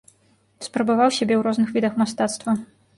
Спрабаваў сябе ў розных відах мастацтва.